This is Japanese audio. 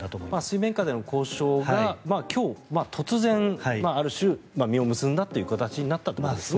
水面下での交渉が今日、突然ある種、実を結んだという形になったということですね。